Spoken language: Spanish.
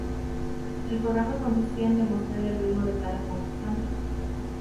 El programa consistía en demostrar el ritmo de cada concursante.